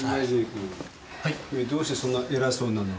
君どうしてそんな偉そうなの？